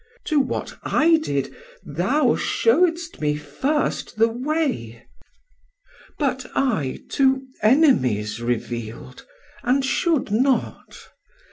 780 To what I did thou shewdst me first the way. But I to enemies reveal'd, and should not.